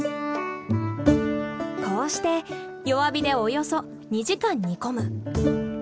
こうして弱火でおよそ２時間煮込む。